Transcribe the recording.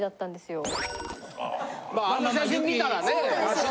あの写真見たらね。